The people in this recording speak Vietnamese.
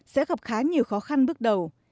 sẽ gặp khá nhiều khó khăn bước đầu